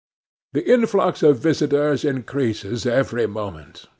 'The influx of visitors increases every moment.